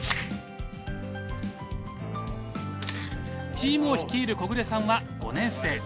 チームを率いる小暮さんは５年生。